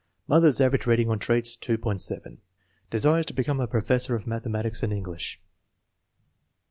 Mother's average rating on traits, 3.70. Desires to become a professor of mathematics and English.